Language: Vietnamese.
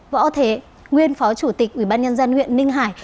võ thế nguyên phó chủ tịch ủy ban nhân dân huyện ninh hải